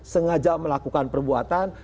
sengaja melakukan perbuatan